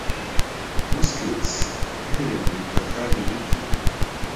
muskets, uhereye mubitaka-ibiti.